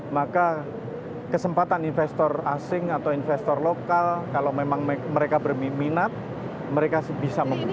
maka kesempatan investor asing atau investor lokal kalau memang mereka berminat mereka bisa membuka